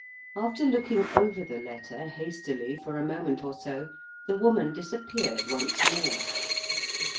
After looking over the letter hastily for a moment or so, the woman disappeared once more.